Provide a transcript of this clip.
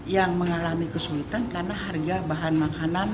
yang mengalami kesulitan karena harga bahan makanan